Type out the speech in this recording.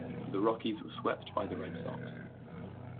The Rockies were swept by the Red Sox.